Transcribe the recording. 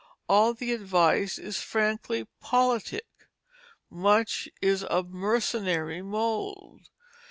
All the advice is frankly politic; much is of mercenary mould.